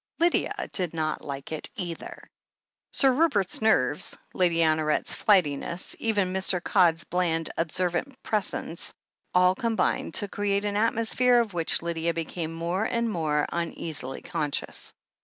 Lydia did not like it either. Sir Rupert's nervesj Lady Honoret's flightiness, even Mr. Codd's bland, observant presence, all combined to create an atmosphere of which Lydia became, more and more, uneasily conscious.